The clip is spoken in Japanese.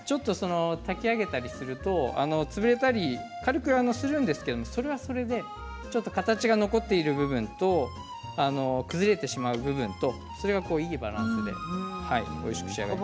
炊き上げたりすると潰れたり軽くするんですけどそれはそれで形が残っている部分と崩れてしまう部分といいバランスになります。